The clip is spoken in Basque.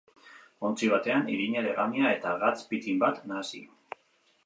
Ontzi batean, irina, legamia eta gatz pitin bat nahasi.